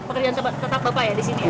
pekerjaan tetap bapak ya di sini ya